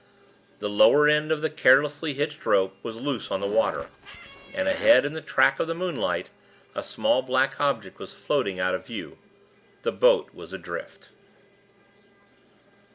The lower end of the carelessly hitched rope was loose on the water, and ahead, in the track of the moonlight, a small black object was floating out of view. The boat was adrift.